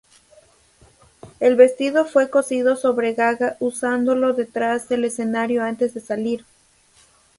El vestido fue cosido sobre Gaga usándolo detrás del escenario antes de salir.